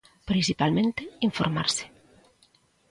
Principalmente, informarse.